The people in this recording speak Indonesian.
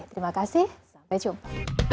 terima kasih sampai jumpa